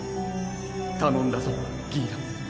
頼んだぞギーラ。